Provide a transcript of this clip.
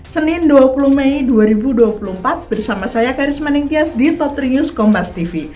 senin dua puluh mei dua ribu dua puluh empat bersama saya karisma nengkias di top tiga news kompastv